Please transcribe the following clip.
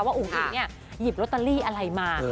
ว่าอุ้งอุ้งเนี่ยหยิบโรตาลีอะไรมา